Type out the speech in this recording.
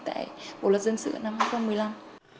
tại bộ luật dân sự năm hai nghìn một mươi năm